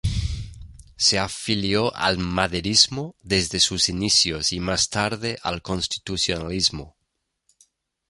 Se afilió al maderismo desde sus inicios y más tarde al constitucionalismo.